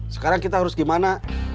sekarang kita harus gimana